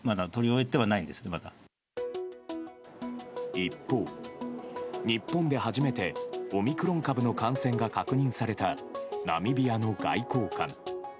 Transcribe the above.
一方、日本で初めてオミクロン株の感染が確認されたナミビアの外交官。